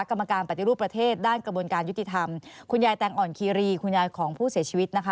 กรรมการปฏิรูปประเทศด้านกระบวนการยุติธรรมคุณยายแตงอ่อนคีรีคุณยายของผู้เสียชีวิตนะคะ